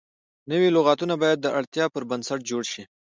نوي لغتونه باید د اړتیا پر بنسټ جوړ شي.